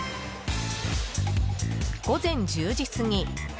午前１０時過ぎ。